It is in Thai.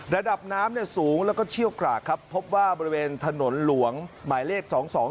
ระดับน้ำเนี่ยสูงแล้วก็เชี่ยวกรากครับพบว่าบริเวณถนนหลวงหมายเลขสองสอง